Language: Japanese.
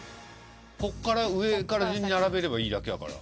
こっから上から順に並べればいいだけやから。